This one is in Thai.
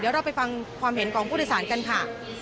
เดี๋ยวเราไปฟังความเห็นของผู้โดยสารกันค่ะ